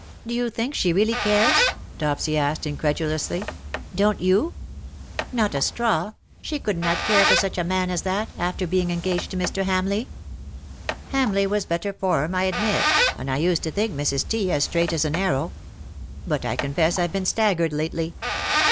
" Do you think she really cares ?" Dopsy asked, incredulously. '' Don't you ?"'' Not a straw. She could not care for such a man as that, after being engaged to Mr. Hamleigh.'^ ^^ Hamleigh was better form, I admit — and I used to think Mrs. T. as straight as an arrow. But I confess I've been staggered lately.'